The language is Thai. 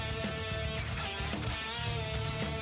โอ้โหอย่าให้กันแรกครับ